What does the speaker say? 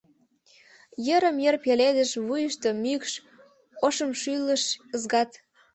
Йырым-йыр пеледыш вуйышто мӱкш, ошымшӱлыш ызгат.